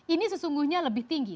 ini sesungguhnya lebih tinggi